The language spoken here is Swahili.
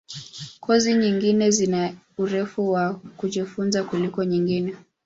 Kozi nyingine zina urefu wa kujifunza kuliko nyingine.